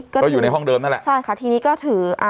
ก็ก็อยู่ในห้องเดิมนั่นแหละใช่ค่ะทีนี้ก็ถืออ่า